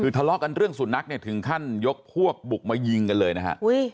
ทะเลาะกันเรื่องสุนัขเนี่ยถึงขั้นยกพวกบุกมายิงกันเลยนะฮะ